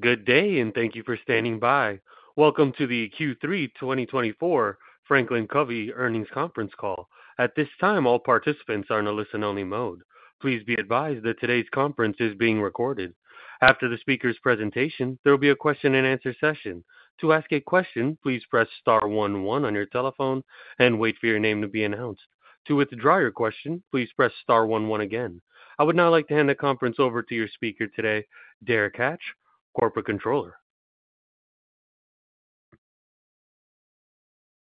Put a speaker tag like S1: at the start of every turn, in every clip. S1: Good day, and thank you for standing by. Welcome to the Q3 2024 FranklinCovey Earnings Conference Call. At this time, all participants are in a listen-only mode. Please be advised that today's conference is being recorded. After the speaker's presentation, there will be a question-and-answer session. To ask a question, please press star 11 on your telephone and wait for your name to be announced. To withdraw your question, please press star 11 again. I would now like to hand the conference over to your speaker today, Derek Hatch, Corporate Controller.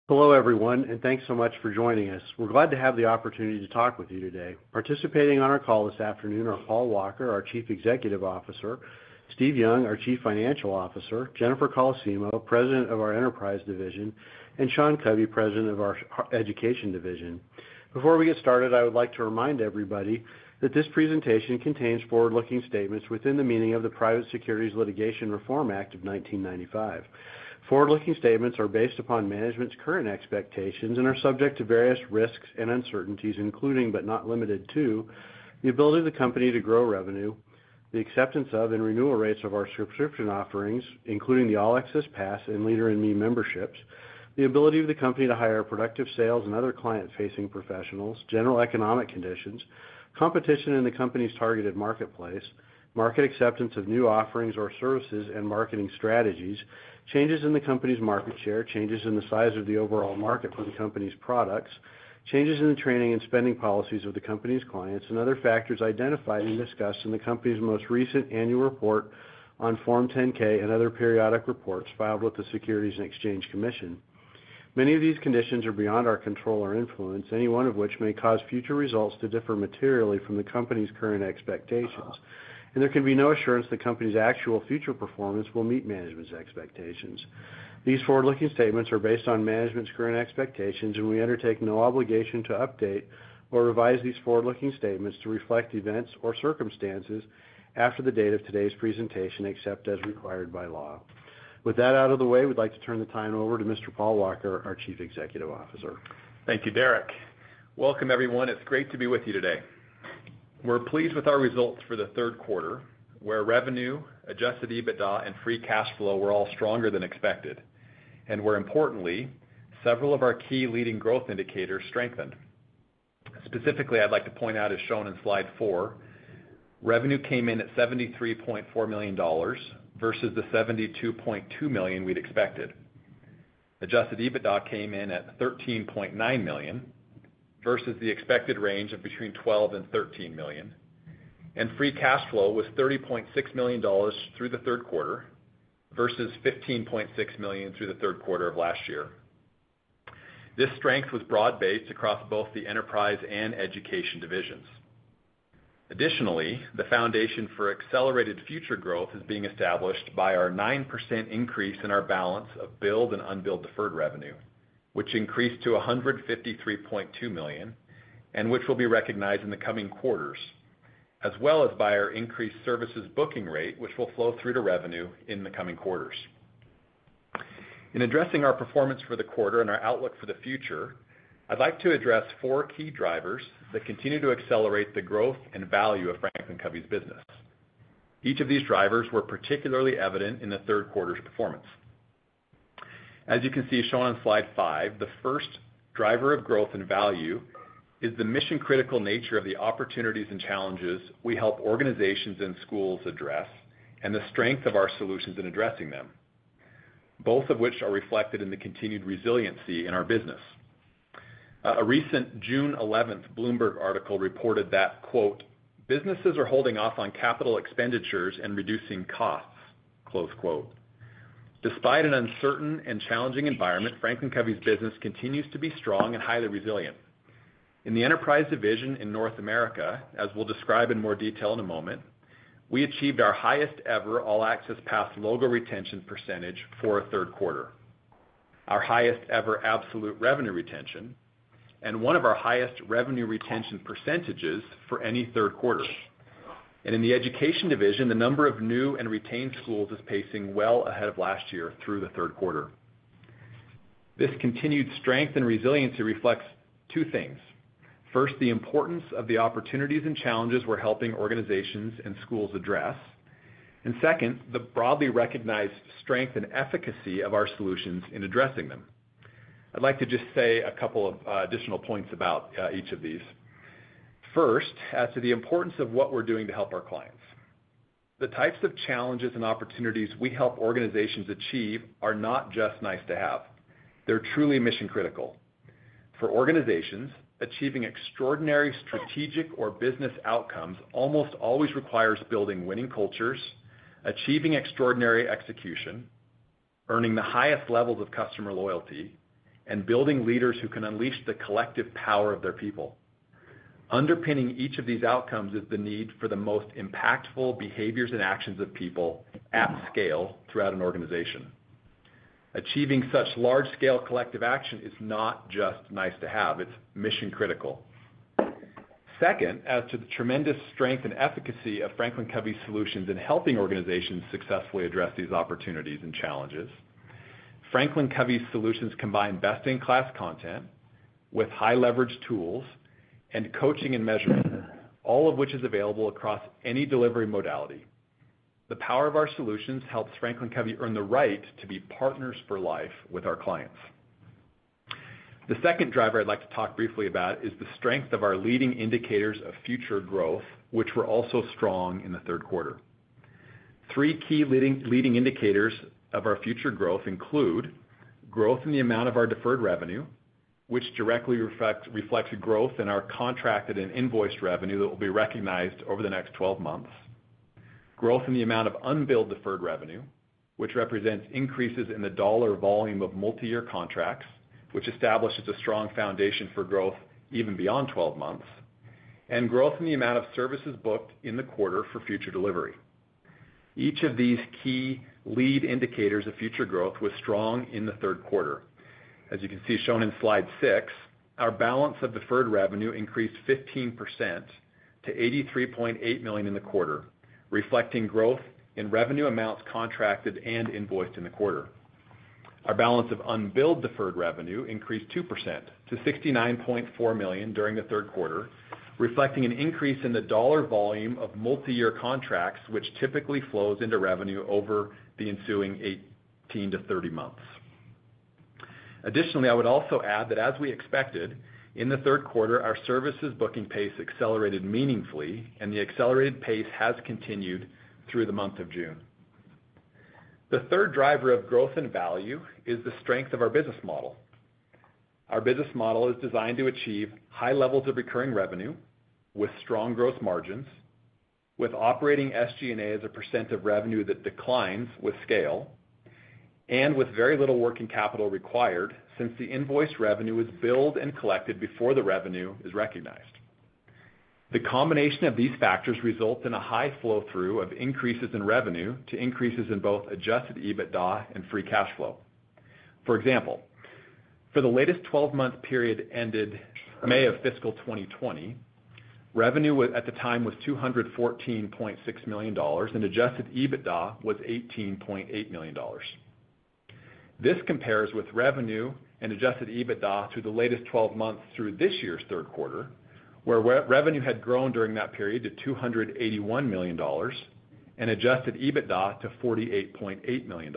S2: Hello everyone, and thanks so much for joining us. We're glad to have the opportunity to talk with you today. Participating on our call this afternoon are Paul Walker, our CEO, Steve Young, our CFO, Jennifer Colosimo, President of our Enterprise Division, and Sean Covey, President of our Education Division. Before we get started, I would like to remind everybody that this presentation contains forward-looking statements within the meaning of the Private Securities Litigation Reform Act of 1995. Forward-looking statements are based upon management's current expectations and are subject to various risks and uncertainties, including but not limited to the ability of the company to grow revenue, the acceptance of and renewal rates of our subscription offerings, including the All Access Pass and Leader in Me memberships, the ability of the company to hire productive sales and other client-facing professionals, general economic conditions, competition in the company's targeted marketplace, market acceptance of new offerings or services and marketing strategies, changes in the company's market share, changes in the size of the overall market for the company's products, changes in the training and spending policies of the company's clients, and other factors identified and discussed in the company's most recent annual report on Form 10-K and other periodic reports filed with the Securities and Exchange Commission. Many of these conditions are beyond our control or influence, any one of which may cause future results to differ materially from the company's current expectations, and there can be no assurance the company's actual future performance will meet management's expectations. These forward-looking statements are based on management's current expectations, and we undertake no obligation to update or revise these forward-looking statements to reflect events or circumstances after the date of today's presentation, except as required by law. With that out of the way, we'd like to turn the time over to Mr. Paul Walker, our CEO.
S3: Thank you, Derek. Welcome, everyone. It's great to be with you today. We're pleased with our results for the third quarter, where revenue, adjusted EBITDA, and free cash flow were all stronger than expected, and where, importantly, several of our key leading growth indicators strengthened. Specifically, I'd like to point out, as shown in Slide four, revenue came in at $73.4 million versus the $72.2 million we'd expected. Adjusted EBITDA came in at $13.9 million versus the expected range of between $12 million and $13 million, and free cash flow was $30.6 million through the third quarter versus $15.6 million through the third quarter of last year. This strength was broad-based across both the enterprise and Education Divisions. Additionally, the foundation for accelerated future growth is being established by our 9% increase in our balance of billed and unbilled deferred revenue, which increased to $153.2 million and which will be recognized in the coming quarters, as well as by our increased services booking rate, which will flow through to revenue in the coming quarters. In addressing our performance for the quarter and our outlook for the future, I'd like to address four key drivers that continue to accelerate the growth and value of FranklinCovey's business. Each of these drivers were particularly evident in the third quarter's performance. As you can see shown on Slide five, the first driver of growth and value is the mission-critical nature of the opportunities and challenges we help organizations and schools address and the strength of our solutions in addressing them, both of which are reflected in the continued resiliency in our business. A recent June 11th Bloomberg article reported that, "Businesses are holding off on capital expenditures and reducing costs." Despite an uncertain and challenging environment, FranklinCovey's business continues to be strong and highly resilient. In the Enterprise Division in North America, as we'll describe in more detail in a moment, we achieved our highest-ever All Access Pass logo retention percentage for a third quarter, our highest-ever absolute revenue retention, and one of our highest revenue retention percentages for any third quarter. In the Education Division, the number of new and retained schools is pacing well ahead of last year through the third quarter. This continued strength and resiliency reflects two things. First, the importance of the opportunities and challenges we're helping organizations and schools address, and second, the broadly recognized strength and efficacy of our solutions in addressing them. I'd like to just say a couple of additional points about each of these. First, as to the importance of what we're doing to help our clients. The types of challenges and opportunities we help organizations achieve are not just nice to have. They're truly mission-critical. For organizations, achieving extraordinary strategic or business outcomes almost always requires building winning cultures, achieving extraordinary execution, earning the highest levels of customer loyalty, and building leaders who can unleash the collective power of their people. Underpinning each of these outcomes is the need for the most impactful behaviors and actions of people at scale throughout an organization. Achieving such large-scale collective action is not just nice to have. It's mission-critical. Second, as to the tremendous strength and efficacy of FranklinCovey's solutions in helping organizations successfully address these opportunities and challenges, FranklinCovey's solutions combine best-in-class content with high-leverage tools and coaching and measurement, all of which is available across any delivery modality. The power of our solutions helps FranklinCovey earn the right to be partners for life with our clients. The second driver I'd like to talk briefly about is the strength of our leading indicators of future growth, which were also strong in the third quarter. Three key leading indicators of our future growth include growth in the amount of our deferred revenue, which directly reflects growth in our contracted and invoiced revenue that will be recognized over the next 12 months, growth in the amount of unbilled deferred revenue, which represents increases in the dollar volume of multi-year contracts, which establishes a strong foundation for growth even beyond 12 months, and growth in the amount of services booked in the quarter for future delivery. Each of these key lead indicators of future growth was strong in the third quarter. As you can see shown in Slide six, our balance of deferred revenue increased 15% to $83.8 million in the quarter, reflecting growth in revenue amounts contracted and invoiced in the quarter. Our balance of unbilled deferred revenue increased 2% to $69.4 million during the third quarter, reflecting an increase in the dollar volume of multi-year contracts, which typically flows into revenue over the ensuing 18 to 30 months. Additionally, I would also add that, as we expected, in the third quarter, our services booking pace accelerated meaningfully, and the accelerated pace has continued through the month of June. The third driver of growth and value is the strength of our business model. Our business model is designed to achieve high levels of recurring revenue with strong gross margins, with operating SG&A as a percent of revenue that declines with scale, and with very little working capital required since the invoice revenue is billed and collected before the revenue is recognized. The combination of these factors results in a high flow-through of increases in revenue to increases in both Adjusted EBITDA and free cash flow. For example, for the latest 12-month period ended May of fiscal 2020, revenue at the time was $214.6 million, and Adjusted EBITDA was $18.8 million. This compares with revenue and Adjusted EBITDA through the latest 12 months through this year's third quarter, where revenue had grown during that period to $281 million and Adjusted EBITDA to $48.8 million.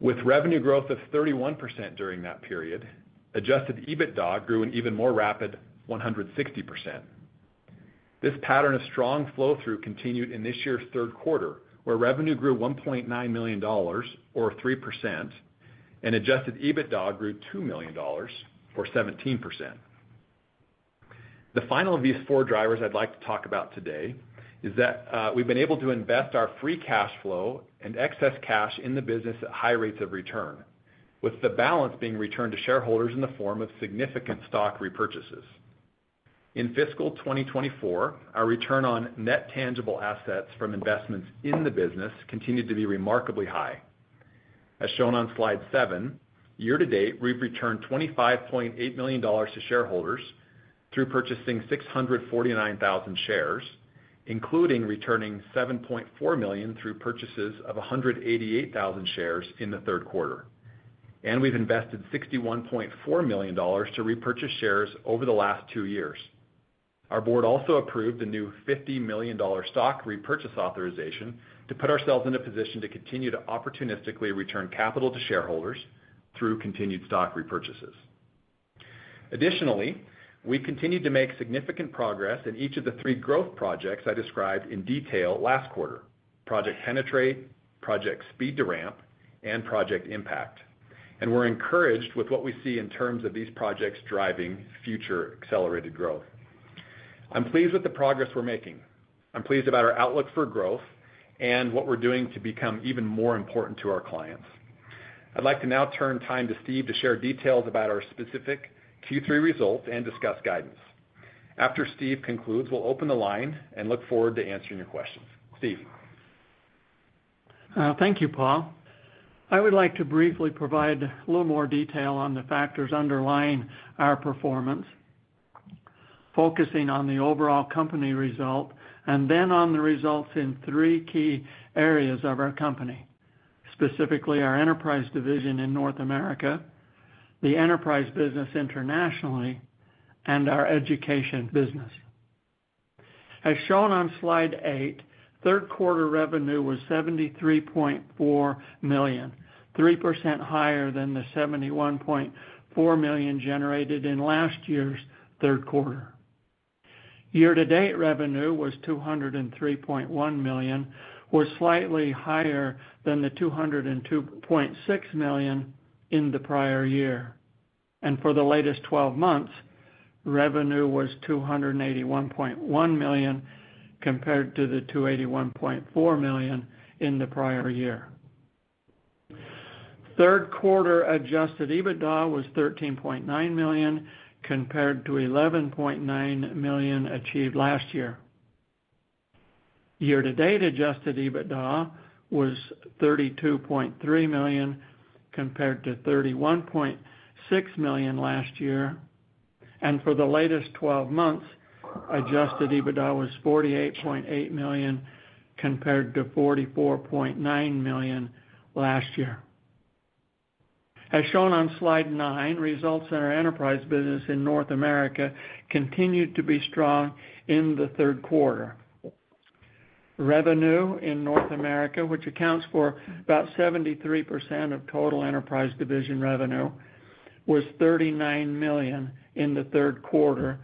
S3: With revenue growth of 31% during that period, Adjusted EBITDA grew an even more rapid 160%. This pattern of strong flow-through continued in this year's third quarter, where revenue grew $1.9 million, or 3%, and Adjusted EBITDA grew $2 million, or 17%. The final of these four drivers I'd like to talk about today is that we've been able to invest our free cash flow and excess cash in the business at high rates of return, with the balance being returned to shareholders in the form of significant stock repurchases. In fiscal 2024, our return on net tangible assets from investments in the business continued to be remarkably high. As shown on Slide seven, year-to-date, we've returned $25.8 million to shareholders through purchasing 649,000 shares, including returning $7.4 million through purchases of 188,000 shares in the third quarter, and we've invested $61.4 million to repurchase shares over the last two years. Our board also approved a new $50 million stock repurchase authorization to put ourselves in a position to continue to opportunistically return capital to shareholders through continued stock repurchases. Additionally, we continued to make significant progress in each of the three growth projects I described in detail last quarter: Project Penetrate, Project Speed to Ramp, and Project Impact, and we're encouraged with what we see in terms of these projects driving future accelerated growth. I'm pleased with the progress we're making. I'm pleased about our outlook for growth and what we're doing to become even more important to our clients. I'd like to now turn time to Steve to share details about our specific Q3 results and discuss guidance. After Steve concludes, we'll open the line and look forward to answering your questions. Steve.
S4: Thank you, Paul. I would like to briefly provide a little more detail on the factors underlying our performance, focusing on the overall company result and then on the results in three key areas of our company, specifically our Enterprise Division in North America, the enterprise business internationally, and our education business. As shown on Slide eight, third quarter revenue was $73.4 million, 3% higher than the $71.4 million generated in last year's third quarter. Year-to-date revenue was $203.1 million, which was slightly higher than the $202.6 million in the prior year. For the latest 12 months, revenue was $281.1 million compared to the $281.4 million in the prior year. Third quarter adjusted EBITDA was $13.9 million compared to $11.9 million achieved last year. Year-to-date adjusted EBITDA was $32.3 million compared to $31.6 million last year. For the latest 12 months, Adjusted EBITDA was $48.8 million compared to $44.9 million last year. As shown on Slide nine, results in our enterprise business in North America continued to be strong in the third quarter. Revenue in North America, which accounts for about 73% of total Enterprise Division revenue, was $39 million in the third quarter,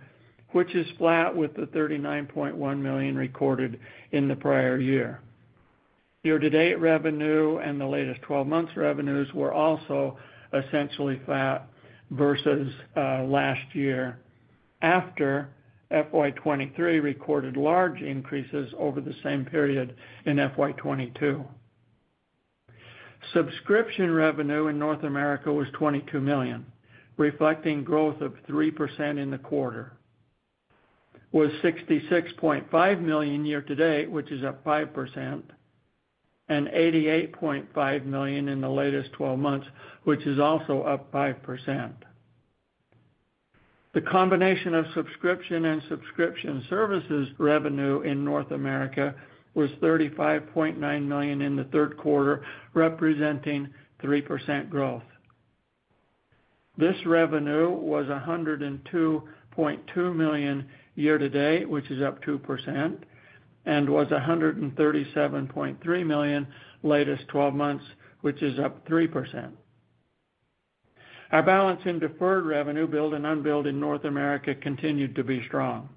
S4: which is flat with the $39.1 million recorded in the prior year. Year-to-date revenue and the latest 12 months' revenues were also essentially flat versus last year, after FY23 recorded large increases over the same period in FY22. Subscription revenue in North America was $22 million, reflecting growth of 3% in the quarter. It was $66.5 million year-to-date, which is up 5%, and $88.5 million in the latest 12 months, which is also up 5%. The combination of subscription and subscription services revenue in North America was $35.9 million in the third quarter, representing 3% growth. This revenue was $102.2 million year-to-date, which is up 2%, and was $137.3 million latest 12 months, which is up 3%. Our balance in deferred revenue, billed and unbilled in North America, continued to be strong,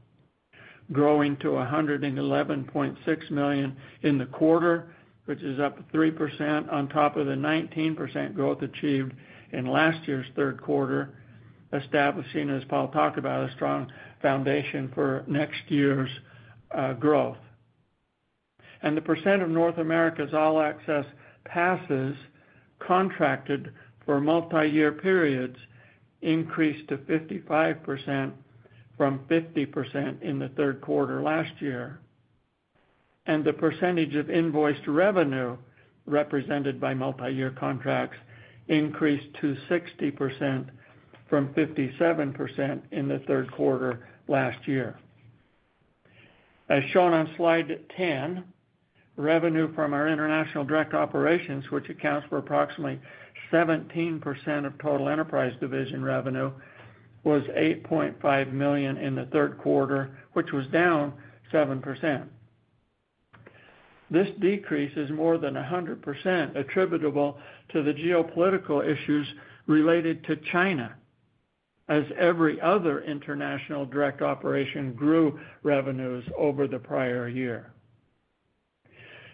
S4: growing to $111.6 million in the quarter, which is up 3% on top of the 19% growth achieved in last year's third quarter, establishing, as Paul talked about, a strong foundation for next year's growth. The percent of North America's All Access Passes contracted for multi-year periods increased to 55% from 50% in the third quarter last year. The percentage of invoiced revenue represented by multi-year contracts increased to 60% from 57% in the third quarter last year. As shown on Slide 10, revenue from our international direct operations, which accounts for approximately 17% of total Enterprise Division revenue, was $8.5 million in the third quarter, which was down 7%. This decrease is more than 100% attributable to the geopolitical issues related to China, as every other international direct operation grew revenues over the prior year.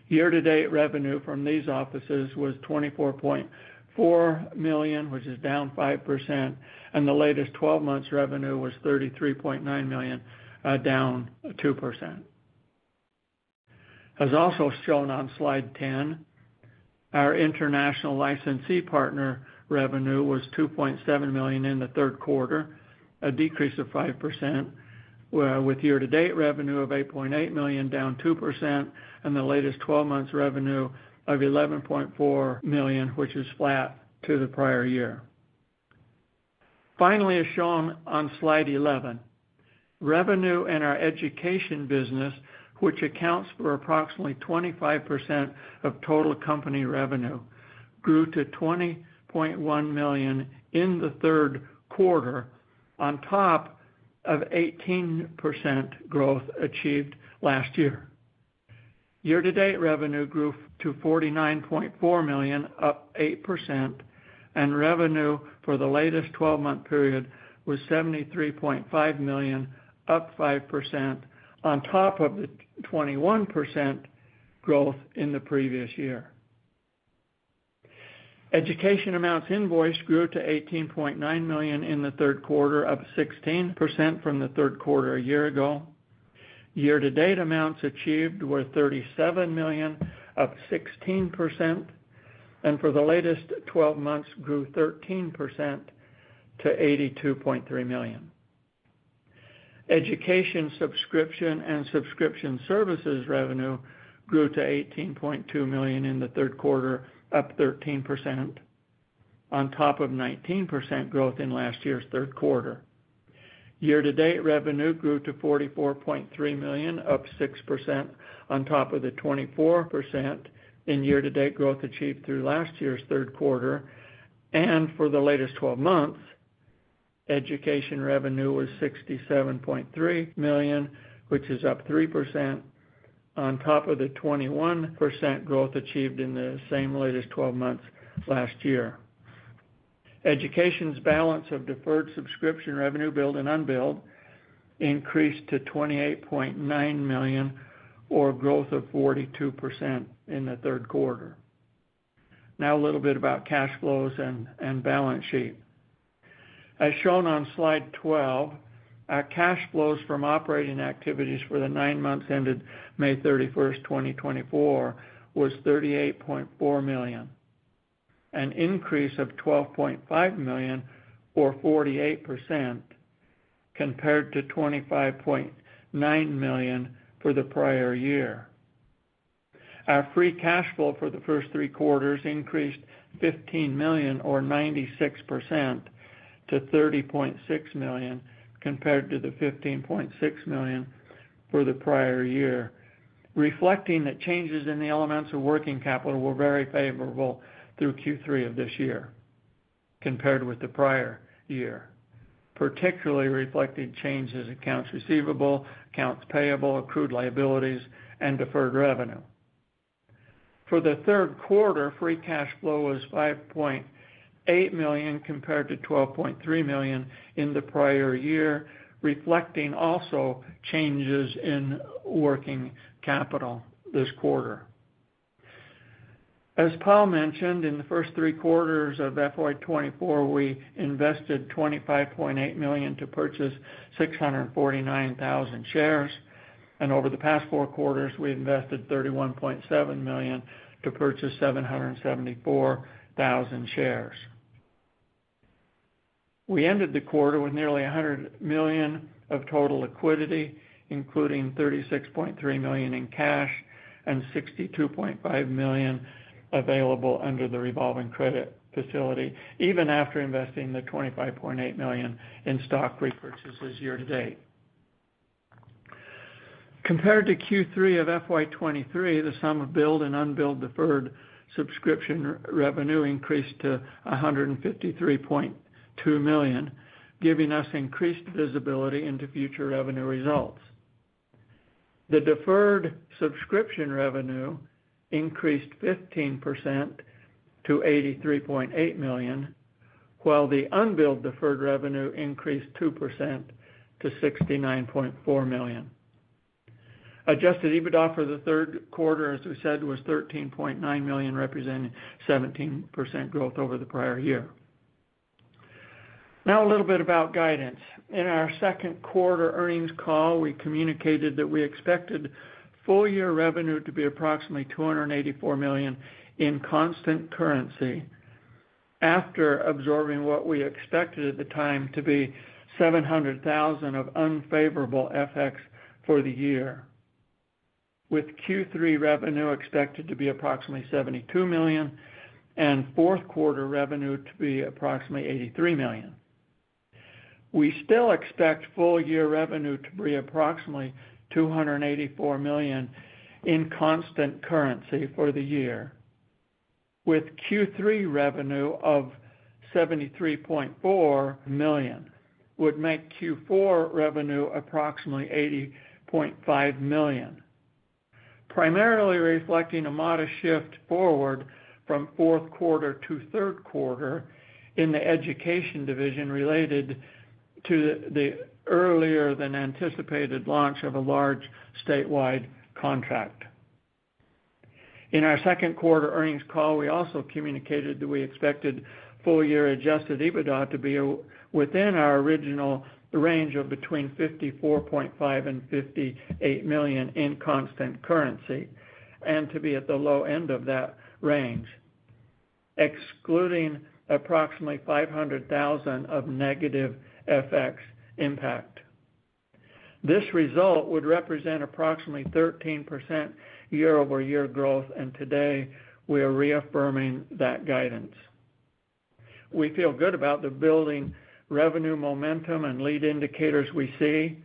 S4: Year-to-date revenue from these offices was $24.4 million, which is down 5%, and the latest 12 months' revenue was $33.9 million, down 2%. As also shown on Slide 10, our international licensee partner revenue was $2.7 million in the third quarter, a decrease of 5%, with year-to-date revenue of $8.8 million, down 2%, and the latest 12 months' revenue of $11.4 million, which is flat to the prior year. Finally, as shown on Slide 11, revenue in our education business, which accounts for approximately 25% of total company revenue, grew to $20.1 million in the third quarter on top of 18% growth achieved last year. Year-to-date revenue grew to $49.4 million, up 8%, and revenue for the latest 12-month period was $73.5 million, up 5% on top of the 21% growth in the previous year. Education amounts invoiced grew to $18.9 million in the third quarter, up 16% from the third quarter a year ago. Year-to-date amounts achieved were $37 million, up 16%, and for the latest 12 months grew 13% to $82.3 million. Education subscription and subscription services revenue grew to $18.2 million in the third quarter, up 13% on top of 19% growth in last year's third quarter. Year-to-date revenue grew to $44.3 million, up 6% on top of the 24% in year-to-date growth achieved through last year's third quarter. For the latest 12 months, education revenue was $67.3 million, which is up 3% on top of the 21% growth achieved in the same latest 12 months last year. Education's balance of deferred subscription revenue, billed and unbilled, increased to $28.9 million, or growth of 42% in the third quarter. Now, a little bit about cash flows and balance sheet. As shown on Slide 12, our cash flows from operating activities for the nine months ended May 31st, 2024, was $38.4 million, an increase of $12.5 million, or 48%, compared to $25.9 million for the prior year. Our free cash flow for the first three quarters increased $15 million, or 96%, to $30.6 million compared to the $15.6 million for the prior year, reflecting that changes in the elements of working capital were very favorable through Q3 of this year compared with the prior year, particularly reflecting changes in accounts receivable, accounts payable, accrued liabilities, and deferred revenue. For the third quarter, free cash flow was $5.8 million compared to $12.3 million in the prior year, reflecting also changes in working capital this quarter. As Paul mentioned, in the first three quarters of FY2024, we invested $25.8 million to purchase 649,000 shares, and over the past four quarters, we invested $31.7 million to purchase 774,000 shares. We ended the quarter with nearly $100 million of total liquidity, including $36.3 million in cash and $62.5 million available under the revolving credit facility, even after investing the $25.8 million in stock repurchases year-to-date. Compared to Q3 of FY23, the sum of billed and unbilled deferred subscription revenue increased to $153.2 million, giving us increased visibility into future revenue results. The deferred subscription revenue increased 15% to $83.8 million, while the unbilled deferred revenue increased 2% to $69.4 million. Adjusted EBITDA for the third quarter, as we said, was $13.9 million, representing 17% growth over the prior year. Now, a little bit about guidance. In our second quarter earnings call, we communicated that we expected full-year revenue to be approximately $284 million in constant currency after absorbing what we expected at the time to be $700,000 of unfavorable FX for the year, with Q3 revenue expected to be approximately $72 million and fourth quarter revenue to be approximately $83 million. We still expect full-year revenue to be approximately $284 million in constant currency for the year, with Q3 revenue of $73.4 million would make Q4 revenue approximately $80.5 million, primarily reflecting a modest shift forward from fourth quarter to third quarter in the Education Division related to the earlier-than-anticipated launch of a large statewide contract. In our second quarter earnings call, we also communicated that we expected full-year Adjusted EBITDA to be within our original range of between $54.5 million and $58 million in constant currency and to be at the low end of that range, excluding approximately $500,000 of negative FX impact. This result would represent approximately 13% year-over-year growth, and today we are reaffirming that guidance. We feel good about the building revenue momentum and lead indicators we see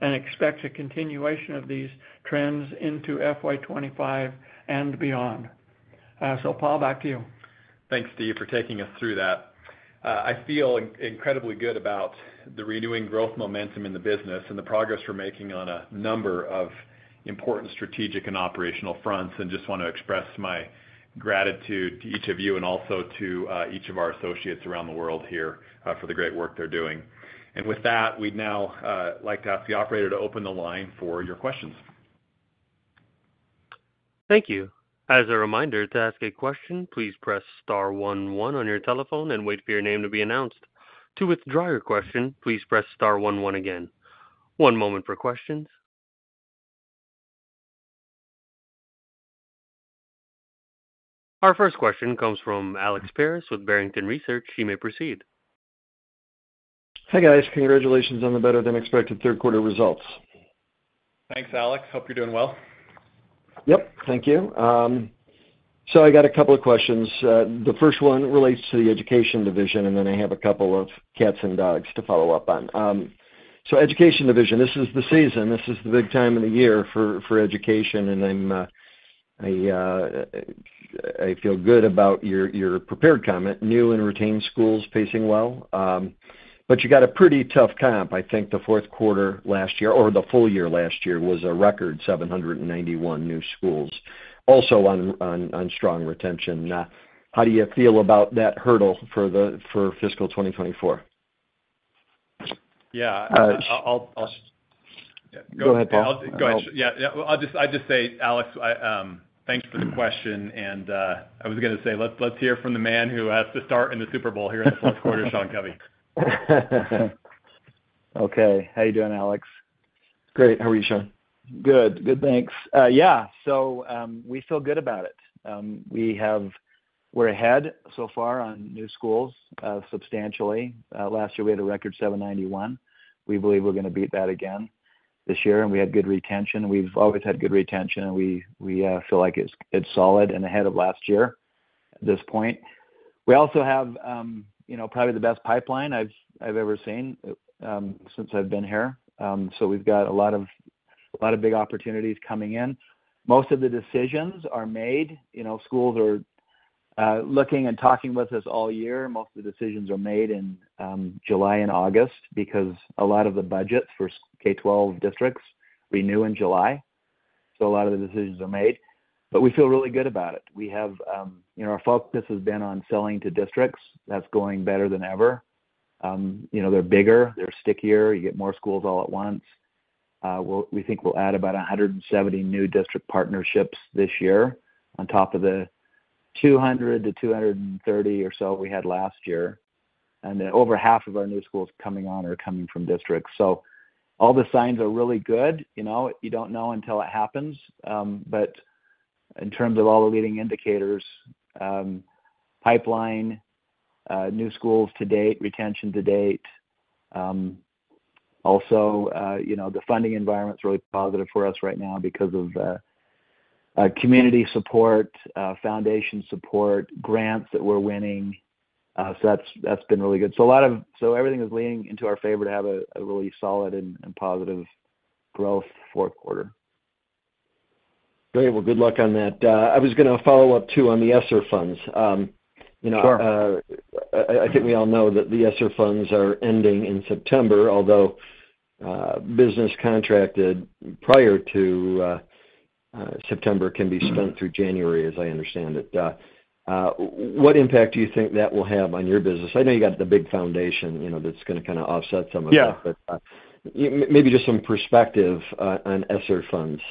S4: and expect a continuation of these trends into FY25 and beyond. So Paul, back to you.
S3: Thanks, Steve, for taking us through that. I feel incredibly good about the renewing growth momentum in the business and the progress we're making on a number of important strategic and operational fronts, and just want to express my gratitude to each of you and also to each of our associates around the world here for the great work they're doing. With that, we'd now like to ask the operator to open the line for your questions.
S1: Thank you. As a reminder, to ask a question, please press star 11 on your telephone and wait for your name to be announced. To withdraw your question, please press star 11 again. One moment for questions. Our first question comes from Alex Paris with Barrington Research. He may proceed.
S5: Hi guys. Congratulations on the better-than-expected third-quarter results.
S3: Thanks, Alex. Hope you're doing well.
S5: Yep. Thank you. So I got a couple of questions. The first one relates to the Education Division, and then I have a couple of cats and dogs to follow up on. So Education Division, this is the season. This is the big time of the year for education, and I feel good about your prepared comment. New and retained schools pacing well, but you got a pretty tough comp. I think the fourth quarter last year, or the full year last year, was a record 791 new schools, also on strong retention. How do you feel about that hurdle for fiscal 2024?
S3: Yeah. I'll.
S5: Go ahead, Paul.
S3: Go ahead. Yeah. I'll just say, Alex, thanks for the question. And I was going to say, let's hear from the man who has to start in the Super Bowl here in the fourth quarter, Sean Covey.
S6: Okay. How are you doing, Alex?
S5: Great. How are you, Sean?
S6: Good. Good, thanks. Yeah. So we feel good about it. We're ahead so far on new schools substantially. Last year, we had a record 791. We believe we're going to beat that again this year, and we had good retention. We've always had good retention, and we feel like it's solid and ahead of last year at this point. We also have probably the best pipeline I've ever seen since I've been here. So we've got a lot of big opportunities coming in. Most of the decisions are made. Schools are looking and talking with us all year. Most of the decisions are made in July and August because a lot of the budgets for K-12 districts renew in July. So a lot of the decisions are made. But we feel really good about it. Our focus has been on selling to districts. That's going better than ever. They're bigger. They're stickier. You get more schools all at once. We think we'll add about 170 new district partnerships this year on top of the 200-230 or so we had last year. Over half of our new schools coming on are coming from districts. All the signs are really good. You don't know until it happens. But in terms of all the leading indicators, pipeline, new schools to date, retention to date. Also, the funding environment's really positive for us right now because of community support, foundation support, grants that we're winning. That's been really good. Everything is leaning into our favor to have a really solid and positive growth fourth quarter.
S5: Great. Well, good luck on that. I was going to follow up too on the ESSER funds. I think we all know that the ESSER funds are ending in September, although business contracted prior to September can be spent through January, as I understand it. What impact do you think that will have on your business? I know you got the big foundation that's going to kind of offset some of that, but maybe just some perspective on ESSER funds.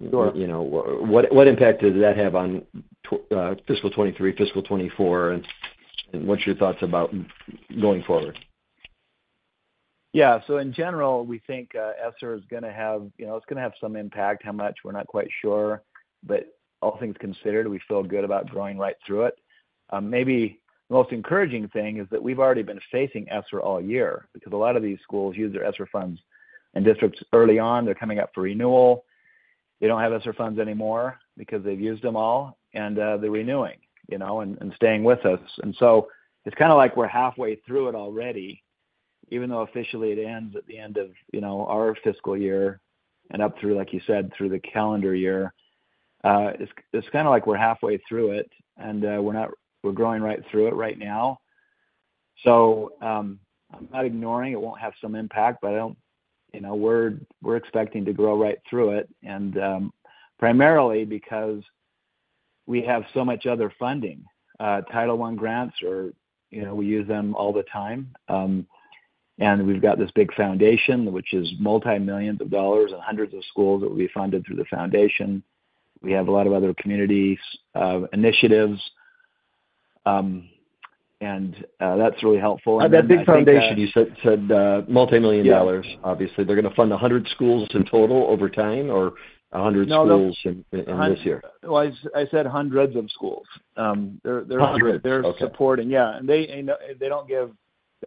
S5: What impact does that have on fiscal 2023, fiscal 2024, and what's your thoughts about going forward?
S6: Yeah. So in general, we think ESSER is going to have some impact, how much. We're not quite sure. But all things considered, we feel good about going right through it. Maybe the most encouraging thing is that we've already been facing ESSER all year because a lot of these schools use their ESSER funds and districts early on. They're coming up for renewal. They don't have ESSER funds anymore because they've used them all, and they're renewing and staying with us. And so it's kind of like we're halfway through it already, even though officially it ends at the end of our fiscal year and up through, like you said, through the calendar year. It's kind of like we're halfway through it, and we're growing right through it right now. So I'm not ignoring it. It won't have some impact, but we're expecting to grow right through it, and primarily because we have so much other funding. Title I grants. We use them all the time. And we've got this big foundation, which is $multimillions and hundreds of schools that will be funded through the foundation. We have a lot of other community initiatives, and that's really helpful.
S5: That big foundation, you said multimillion dollars, obviously. They're going to fund 100 schools in total over time or 100 schools in this year?
S6: No, I said hundreds of schools.
S5: Hundreds. Okay.
S6: They're supporting. Yeah. And they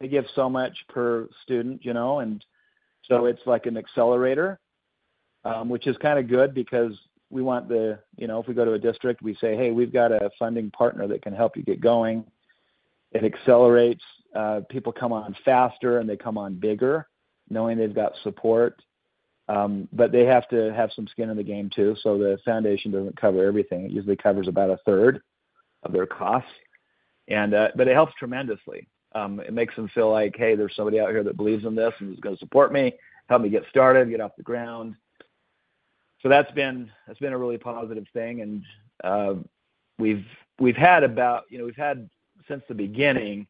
S6: give so much per student. And so it's like an accelerator, which is kind of good because we want if we go to a district, we say, "Hey, we've got a funding partner that can help you get going." It accelerates. People come on faster, and they come on bigger knowing they've got support. But they have to have some skin in the game too. So the foundation doesn't cover everything. It usually covers about a third of their costs. But it helps tremendously. It makes them feel like, "Hey, there's somebody out here that believes in this and is going to support me, help me get started, get off the ground." So that's been a really positive thing. And we've had about, since the beginning,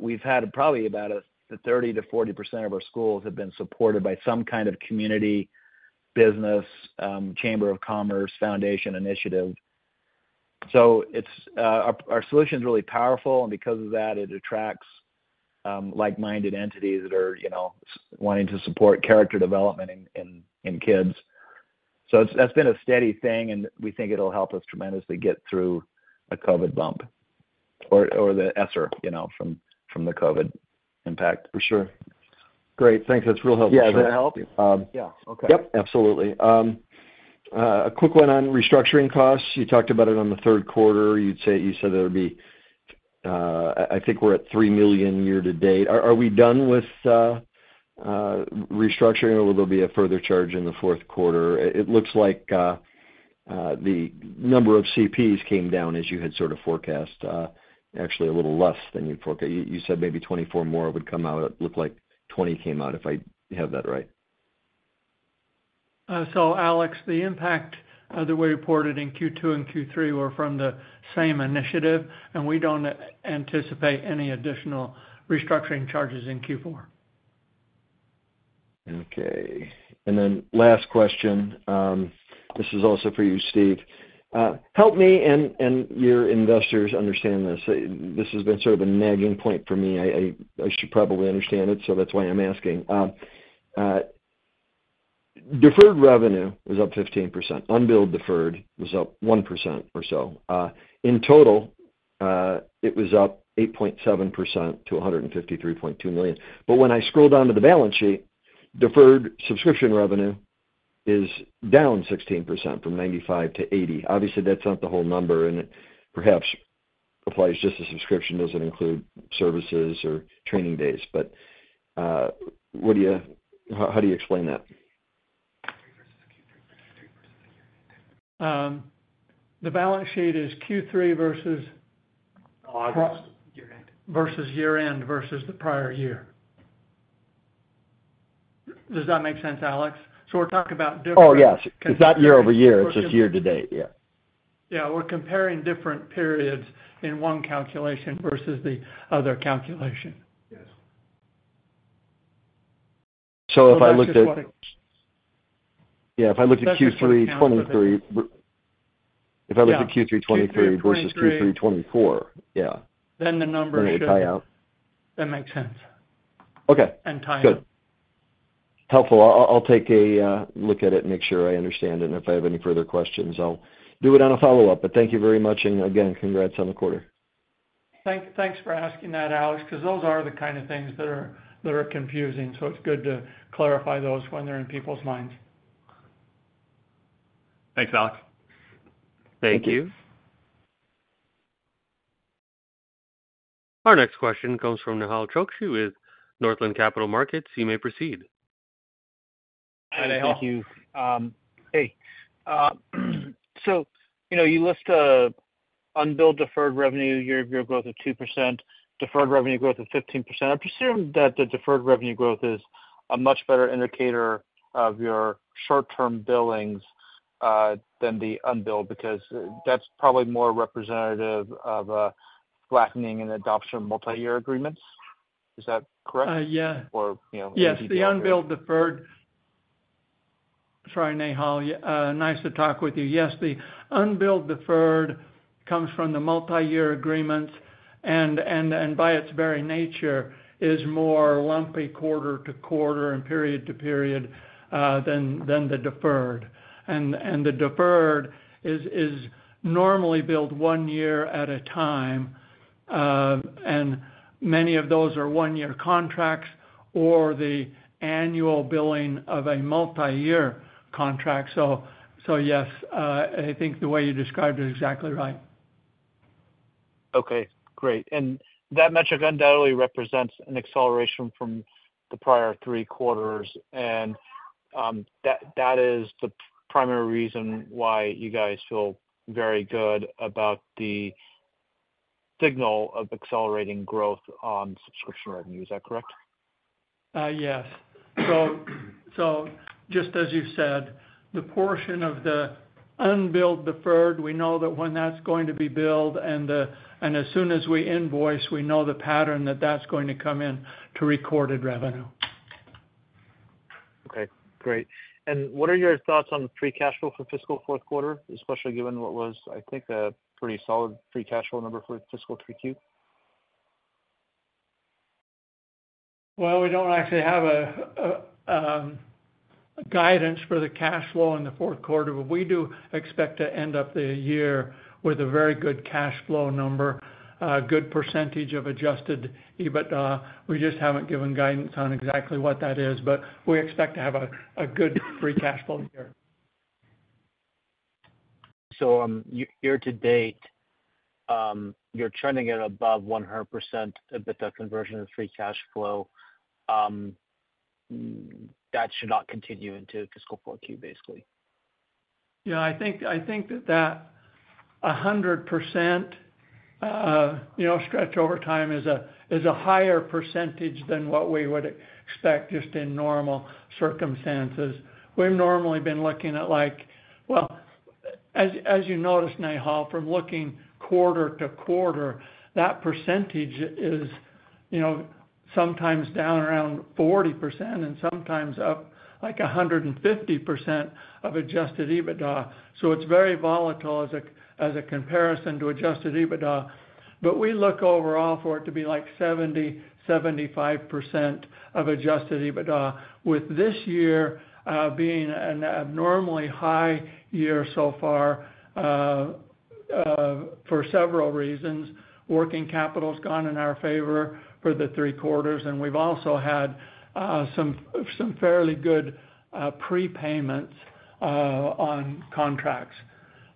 S6: we've had probably about 30%-40% of our schools have been supported by some kind of community business, chamber of commerce, foundation initiative. So our solution is really powerful. And because of that, it attracts like-minded entities that are wanting to support character development in kids. So that's been a steady thing, and we think it'll help us tremendously get through a COVID bump or the ESSER from the COVID impact.
S5: For sure. Great. Thanks. That's real helpful.
S6: Yeah. Can I help?
S5: Yeah. Okay. Yep. Absolutely. A quick one on restructuring costs. You talked about it on the third quarter. You said it would be. I think we're at $3 million year-to-date. Are we done with restructuring, or will there be a further charge in the fourth quarter? It looks like the number of CPs came down, as you had sort of forecast, actually a little less than you forecast. You said maybe 24 more would come out. It looked like 20 came out, if I have that right.
S4: Alex, the impact that we reported in Q2 and Q3 were from the same initiative, and we don't anticipate any additional restructuring charges in Q4.
S5: Okay. And then last question. This is also for you, Steve. Help me and your investors understand this. This has been sort of a nagging point for me. I should probably understand it, so that's why I'm asking. Deferred revenue was up 15%. Unbilled deferred was up 1% or so. In total, it was up 8.7% to $153.2 million. But when I scroll down to the balance sheet, deferred subscription revenue is down 16% from $95 million to $80 million. Obviously, that's not the whole number, and it perhaps applies just to subscription. It doesn't include services or training days. But how do you explain that?
S4: The balance sheet is Q3 versus year-end.
S5: Versus year-end.
S4: Versus year-end versus the prior year. Does that make sense, Alex? So we're talking about different.
S5: Oh, yes. It's not year-over-year. It's just year-to-date. Yeah.
S4: Yeah. We're comparing different periods in one calculation versus the other calculation.
S5: If I looked at Q3 2023 versus Q3 2024, yeah.
S4: Then the numbers would.
S5: Then it would tie out.
S4: That makes sense.
S5: Okay.
S4: Tie out.
S5: Good. Helpful. I'll take a look at it and make sure I understand it. And if I have any further questions, I'll do it on a follow-up. But thank you very much. And again, congrats on the quarter.
S4: Thanks for asking that, Alex, because those are the kind of things that are confusing. So it's good to clarify those when they're in people's minds.
S3: Thanks, Alex.
S1: Thank you. Our next question comes from Nehal Chokshi with Northland Capital Markets. You may proceed.
S3: Hi, Nehal.
S7: Thank you. Hey. So you list unbilled deferred revenue, year-over-year growth of 2%, deferred revenue growth of 15%. I presume that the deferred revenue growth is a much better indicator of your short-term billings than the unbilled because that's probably more representative of flattening and adoption of multi-year agreements. Is that correct?
S4: Yeah. Yes. The unbilled deferred. Sorry, Nehal. Nice to talk with you. Yes. The unbilled deferred comes from the multi-year agreements and, by its very nature, is more lumpy quarter-to-quarter and period to period than the deferred. The deferred is normally billed one year at a time. Many of those are one-year contracts or the annual billing of a multi-year contract. So yes, I think the way you described it is exactly right.
S7: Okay. Great. That metric undoubtedly represents an acceleration from the prior three quarters. That is the primary reason why you guys feel very good about the signal of accelerating growth on subscription revenue. Is that correct?
S4: Yes. So just as you said, the portion of the unbilled deferred revenue. We know that when that's going to be billed. As soon as we invoice, we know the pattern that that's going to come in to recorded revenue.
S7: Okay. Great. What are your thoughts on the free cash flow for fiscal fourth quarter, especially given what was, I think, a pretty solid free cash flow number for fiscal 3Q?
S4: Well, we don't actually have guidance for the cash flow in the fourth quarter, but we do expect to end up the year with a very good cash flow number, a good percentage of adjusted. But we just haven't given guidance on exactly what that is. But we expect to have a good free cash flow here.
S7: Year-to-date, you're trending at above 100% at the conversion of free cash flow. That should not continue into fiscal 4Q, basically.
S4: Yeah. I think that 100% stretch over time is a higher percentage than what we would expect just in normal circumstances. We've normally been looking at like well, as you noticed, Nehal, from looking quarter-to-quarter, that percentage is sometimes down around 40% and sometimes up like 150% of adjusted EBITDA. So it's very volatile as a comparison to adjusted EBITDA. But we look overall for it to be like 70%-75% of adjusted EBITDA, with this year being an abnormally high year so far for several reasons. Working capital's gone in our favor for the three quarters. And we've also had some fairly good prepayments on contracts.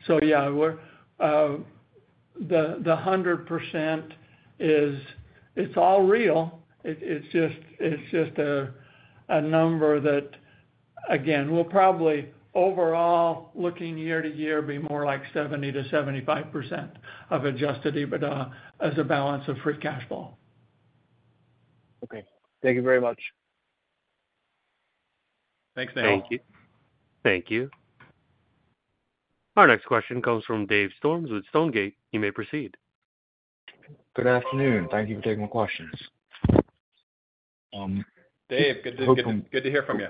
S4: So yeah, the 100% is it's all real. It's just a number that, again, will probably, overall looking year to year, be more like 70%-75% of adjusted EBITDA as a balance of free cash flow.
S7: Okay. Thank you very much.
S3: Thanks, Nehal.
S1: Thank you. Our next question comes from Dave Storms with Stonegate. You may proceed.
S8: Good afternoon. Thank you for taking my questions.
S3: Dave, good to hear from you.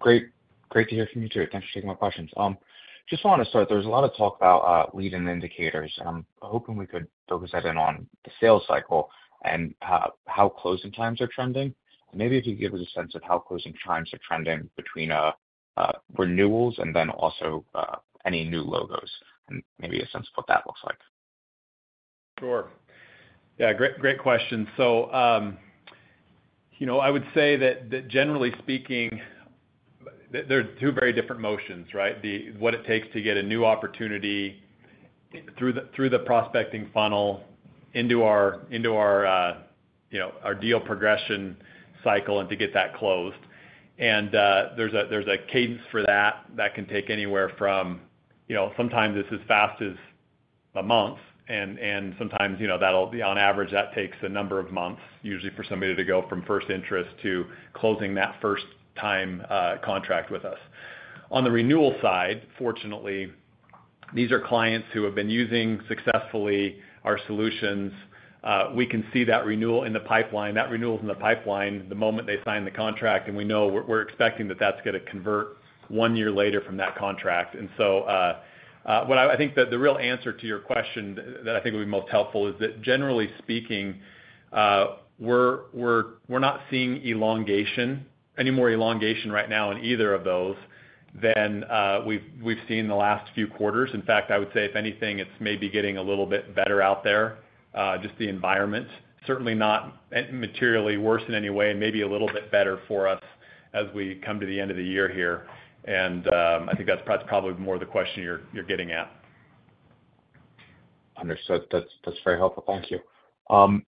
S8: Great. Great to hear from you too. Thanks for taking my questions. Just want to start. There's a lot of talk about leading indicators. I'm hoping we could focus that in on the sales cycle and how closing times are trending. And maybe if you could give us a sense of how closing times are trending between renewals and then also any new logos and maybe a sense of what that looks like?
S3: Sure. Yeah. Great question. So I would say that, generally speaking, there are two very different motions, right? What it takes to get a new opportunity through the prospecting funnel into our deal progression cycle and to get that closed. And there's a cadence for that that can take anywhere from sometimes it's as fast as a month, and sometimes that'll be, on average, that takes a number of months, usually for somebody to go from first interest to closing that first-time contract with us. On the renewal side, fortunately, these are clients who have been using successfully our solutions. We can see that renewal in the pipeline. That renewal's in the pipeline the moment they sign the contract, and we know we're expecting that that's going to convert one year later from that contract. And so I think that the real answer to your question that I think would be most helpful is that, generally speaking, we're not seeing any more elongation right now in either of those than we've seen in the last few quarters. In fact, I would say, if anything, it's maybe getting a little bit better out there, just the environment. Certainly not materially worse in any way, maybe a little bit better for us as we come to the end of the year here. And I think that's probably more the question you're getting at.
S8: Understood. That's very helpful. Thank you.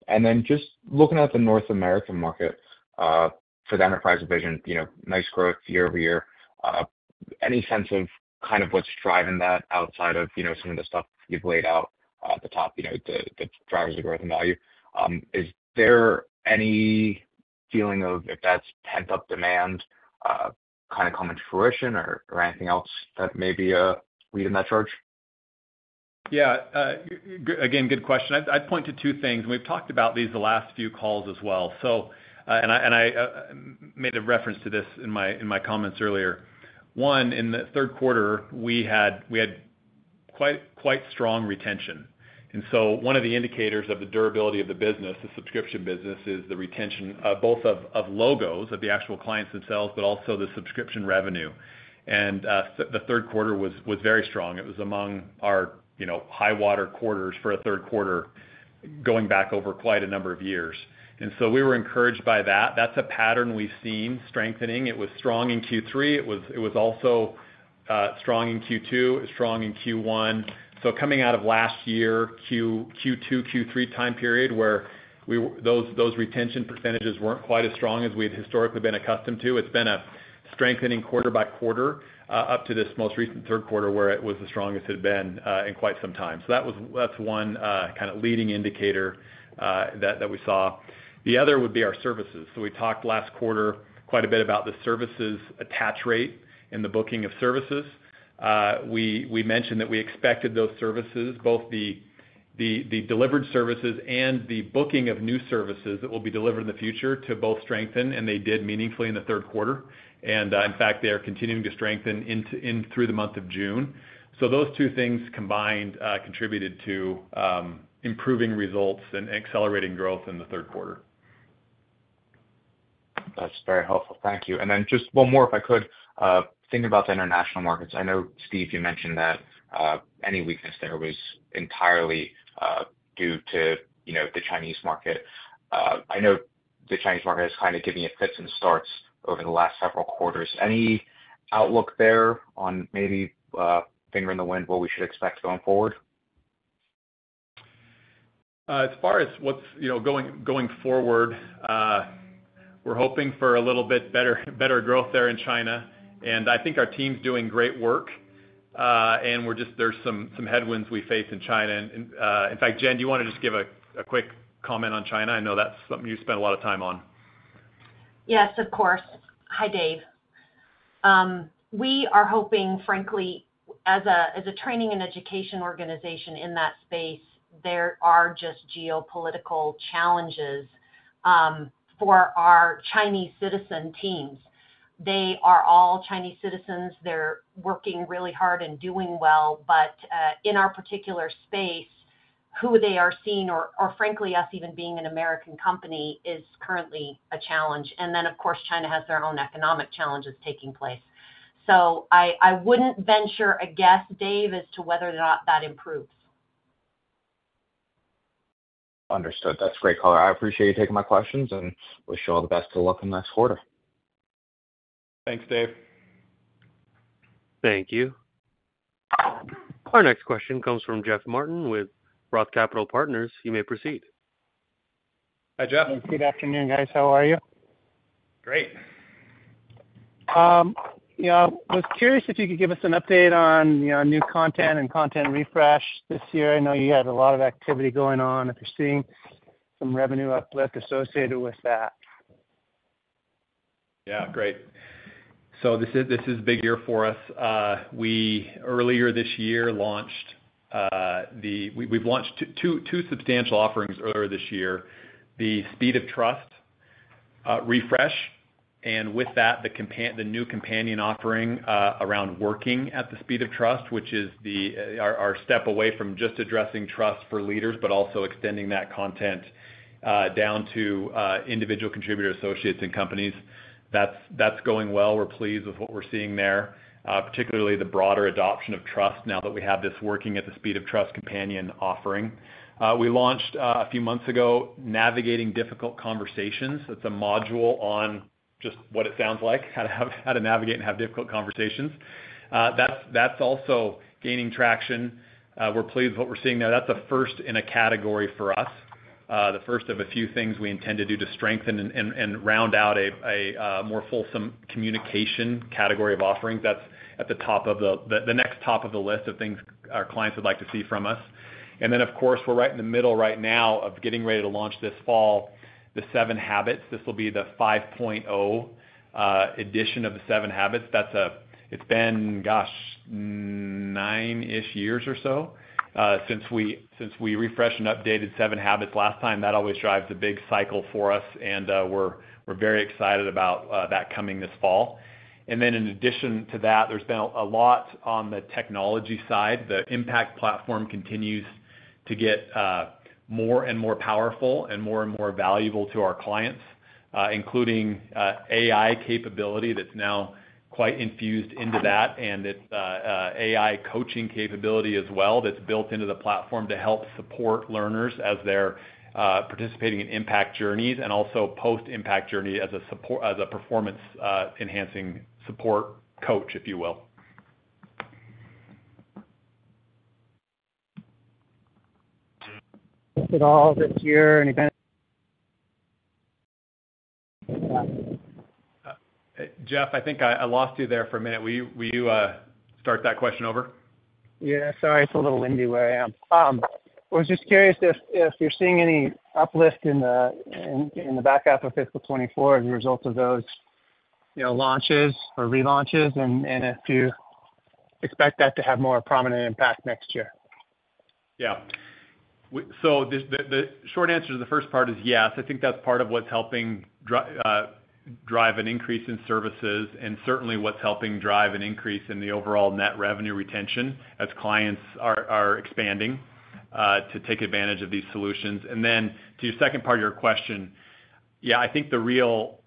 S8: Then just looking at the North American market for the Enterprise Division, nice growth year-over-year. Any sense of kind of what's driving that outside of some of the stuff you've laid out at the top, the drivers of growth and value? Is there any feeling of if that's pent-up demand kind of coming to fruition or anything else that may be leading that charge?
S3: Yeah. Again, good question. I'd point to two things. We've talked about these the last few calls as well. I made a reference to this in my comments earlier. One, in the third quarter, we had quite strong retention. So one of the indicators of the durability of the business, the subscription business, is the retention both of logos of the actual clients themselves, but also the subscription revenue. The third quarter was very strong. It was among our high-water quarters for a third quarter going back over quite a number of years. We were encouraged by that. That's a pattern we've seen strengthening. It was strong in Q3. It was also strong in Q2, strong in Q1. So coming out of last year, Q2, Q3 time period, where those retention percentages weren't quite as strong as we had historically been accustomed to, it's been a strengthening quarter by quarter up to this most recent third quarter where it was the strongest it had been in quite some time. So that's one kind of leading indicator that we saw. The other would be our services. So we talked last quarter quite a bit about the services attach rate in the booking of services. We mentioned that we expected those services, both the delivered services and the booking of new services that will be delivered in the future to both strengthen, and they did meaningfully in the third quarter. And in fact, they are continuing to strengthen through the month of June. So those two things combined contributed to improving results and accelerating growth in the third quarter.
S8: That's very helpful. Thank you. And then just one more, if I could. Thinking about the international markets, I know, Steve, you mentioned that any weakness there was entirely due to the Chinese market. I know the Chinese market is kind of giving it fits and starts over the last several quarters. Any outlook there on maybe finger in the wind what we should expect going forward?
S3: As far as what's going forward, we're hoping for a little bit better growth there in China. And I think our team's doing great work. And there's some headwinds we face in China. In fact, Jen, do you want to just give a quick comment on China? I know that's something you spend a lot of time on.
S9: Yes, of course. Hi, Dave. We are hoping, frankly, as a training and education organization in that space, there are just geopolitical challenges for our Chinese citizen teams. They are all Chinese citizens. They're working really hard and doing well. But in our particular space, who they are seeing, or frankly, us even being an American company, is currently a challenge. And then, of course, China has their own economic challenges taking place. So I wouldn't venture a guess, Dave, as to whether or not that improves.
S8: Understood. That's great, Color. I appreciate you taking my questions. We'll show all the best of luck in the next quarter.
S3: Thanks, Dave.
S1: Thank you. Our next question comes from Jeff Martin with Roth Capital Partners. You may proceed.
S3: Hi, Jeff.
S10: Good afternoon, guys. How are you?
S3: Great.
S10: Yeah. I was curious if you could give us an update on new content and content refresh this year. I know you had a lot of activity going on. If you're seeing some revenue uplift associated with that.
S3: Yeah. Great. So this is a big year for us. Earlier this year, we've launched two substantial offerings earlier this year: the Speed of Trust refresh, and with that, the new companion offering around Working at the Speed of Trust, which is our step away from just addressing trust for leaders, but also extending that content down to individual contributor associates and companies. That's going well. We're pleased with what we're seeing there, particularly the broader adoption of trust now that we have this Working at the Speed of Trust companion offering. We launched a few months ago, Navigating Difficult Conversations. It's a module on just what it sounds like, how to navigate and have difficult conversations. That's also gaining traction. We're pleased with what we're seeing there. That's a first in a category for us, the first of a few things we intend to do to strengthen and round out a more fulsome communication category of offerings. That's at the next top of the list of things our clients would like to see from us. And then, of course, we're right in the middle right now of getting ready to launch this fall, the Seven Habits. This will be the 5.0 edition of the Seven Habits. It's been, gosh, nine-ish years or so since we refreshed and updated Seven Habits last time. That always drives a big cycle for us. And we're very excited about that coming this fall. And then, in addition to that, there's been a lot on the technology side. The Impact Platform continues to get more and more powerful and more and more valuable to our clients, including AI capability that's now quite infused into that, and AI coaching capability as well that's built into the platform to help support learners as they're participating in Impact journeys and also post-Impact journey as a performance-enhancing support coach, if you will.
S10: Is it all this year? Any benefits?
S3: Jeff, I think I lost you there for a minute. Will you start that question over?
S10: Yeah. Sorry. It's a little windy where I am. I was just curious if you're seeing any uplift in the back half of fiscal 2024 as a result of those launches or relaunches, and if you expect that to have more prominent impact next year?
S3: Yeah. So the short answer to the first part is yes. I think that's part of what's helping drive an increase in services and certainly what's helping drive an increase in the overall net revenue retention as clients are expanding to take advantage of these solutions. And then to your second part of your question, yeah, I think the real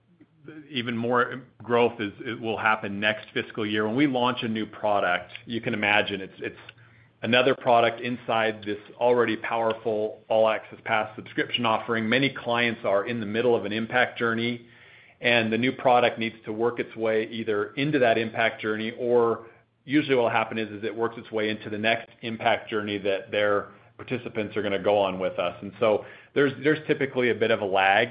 S3: even more growth will happen next fiscal year. When we launch a new product, you can imagine it's another product inside this already powerful All Access Pass subscription offering. Many clients are in the middle of an Impact journey. And the new product needs to work its way either into that Impact journey, or usually what will happen is it works its way into the next Impact journey that their participants are going to go on with us. And so there's typically a bit of a lag.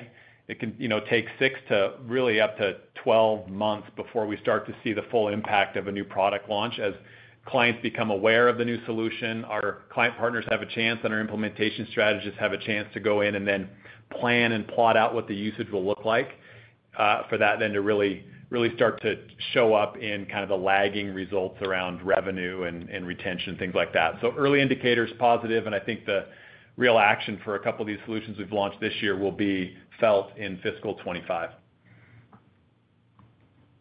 S3: It can take 6 to really up to 12 months before we start to see the full impact of a new product launch. As clients become aware of the new solution, our client partners have a chance, and our implementation strategists have a chance to go in and then plan and plot out what the usage will look like for that then to really start to show up in kind of the lagging results around revenue and retention, things like that. So early indicators positive. And I think the real action for a couple of these solutions we've launched this year will be felt in fiscal 2025.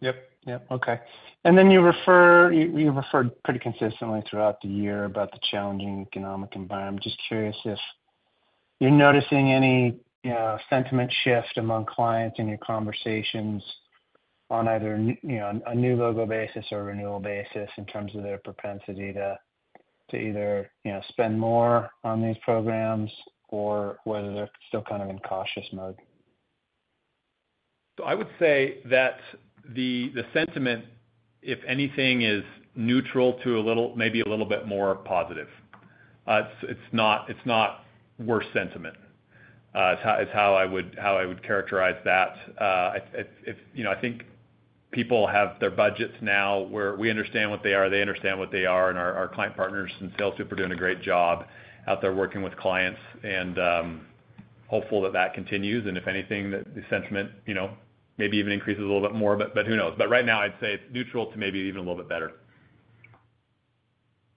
S10: Yep. Yep. Okay. And then you referred pretty consistently throughout the year about the challenging economic environment. Just curious if you're noticing any sentiment shift among clients in your conversations on either a new logo basis or a renewal basis in terms of their propensity to either spend more on these programs or whether they're still kind of in cautious mode?
S3: So I would say that the sentiment, if anything, is neutral to maybe a little bit more positive. It's not worse. Sentiment is how I would characterize that. I think people have their budgets now where we understand what they are. They understand what they are. And our client partners and salespeople are doing a great job out there working with clients and hopeful that that continues. And if anything, the sentiment maybe even increases a little bit more, but who knows? But right now, I'd say it's neutral to maybe even a little bit better.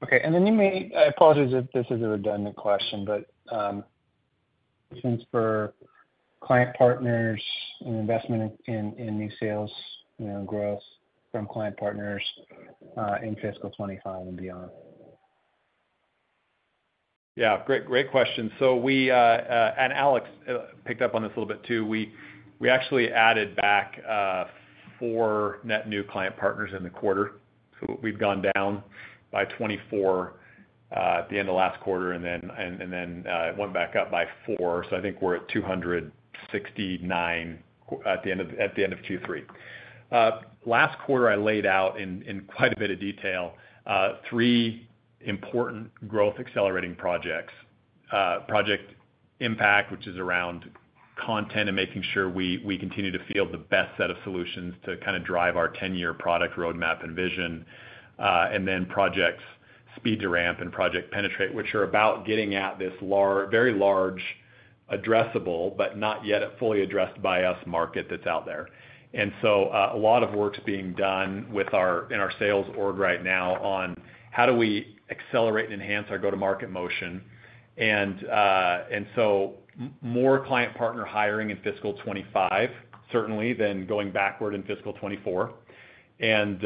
S10: Okay. And then you may—I apologize if this is a redundant question, but for client partners and investment in new sales, growth from client partners in fiscal 2025 and beyond.
S3: Yeah. Great question. Alex picked up on this a little bit too. We actually added back 4 net new client partners in the quarter. So we've gone down by 24 at the end of last quarter, and then it went back up by 4. So I think we're at 269 at the end of Q3. Last quarter, I laid out in quite a bit of detail 3 important growth-accelerating projects: Project Impact, which is around content and making sure we continue to field the best set of solutions to kind of drive our 10-year product roadmap and vision, and then Projects Speed to Ramp and Project Penetrate, which are about getting at this very large, addressable, but not yet fully addressed by us market that's out there. And so a lot of work's being done in our sales org right now on how do we accelerate and enhance our go-to-market motion. And so more client partner hiring in fiscal 2025, certainly, than going backward in fiscal 2024. And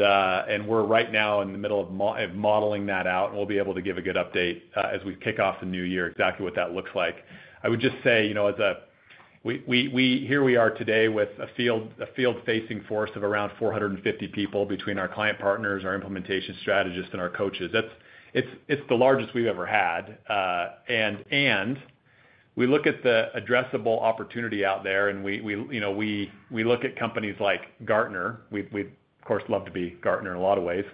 S3: we're right now in the middle of modeling that out. And we'll be able to give a good update as we kick off the new year, exactly what that looks like. I would just say, here we are today with a field-facing force of around 450 people between our client partners, our implementation strategists, and our coaches. It's the largest we've ever had. And we look at the addressable opportunity out there. And we look at companies like Gartner. We, of course, love to be Gartner in a lot of ways.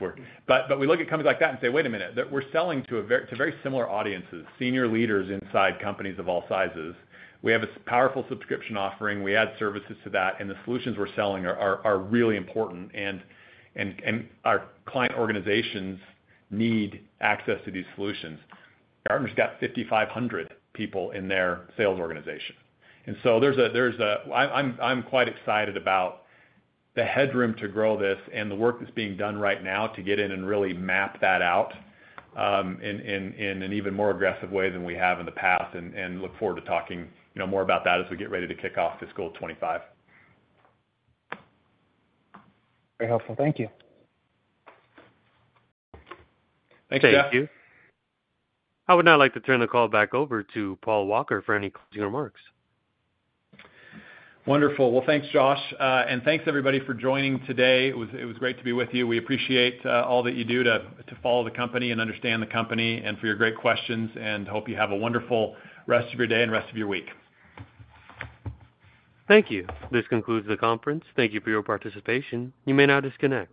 S3: But we look at companies like that and say, "Wait a minute. We're selling to very similar audiences, senior leaders inside companies of all sizes. We have a powerful subscription offering. We add services to that. And the solutions we're selling are really important. And our client organizations need access to these solutions." Gartner's got 5,500 people in their sales organization. And so there's a, I'm quite excited about the headroom to grow this and the work that's being done right now to get in and really map that out in an even more aggressive way than we have in the past. And look forward to talking more about that as we get ready to kick off fiscal 2025.
S10: Very helpful. Thank you.
S3: Thanks, Jeff.
S1: Thank you. I would now like to turn the call back over to Paul Walker for any closing remarks.
S3: Wonderful. Well, thanks, Josh. Thanks, everybody, for joining today. It was great to be with you. We appreciate all that you do to follow the company and understand the company and for your great questions. Hope you have a wonderful rest of your day and rest of your week.
S1: Thank you. This concludes the conference. Thank you for your participation. You may now disconnect.